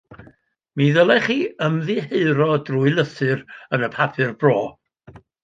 Mi ddylech chi ymddiheuro drwy lythyr yn y papur bro